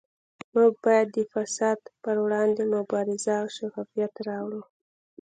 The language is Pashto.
موږ باید د فساد پروړاندې مبارزه او شفافیت راوړو